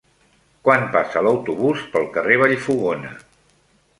Quan passa l'autobús pel carrer Vallfogona?